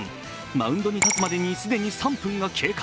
マウンドに立つまでに既に３分が経過。